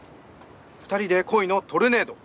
２人で恋のトルネード！